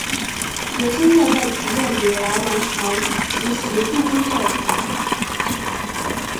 学生要在企业里来完成实习部分课程。